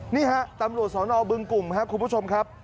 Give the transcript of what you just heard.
นี่ฮะตำรวจสนบึงกลุ่มครับคุณผู้ชมครับ